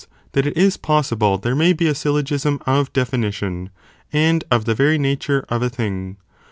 that it is possible there may be a syllogism of definition, and of the very nature of a thing.